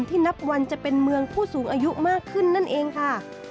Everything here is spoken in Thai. นับวันจะเป็นเมืองผู้สูงอายุมากขึ้นนั่นเองค่ะ